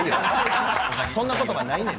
そんな言葉ないねん。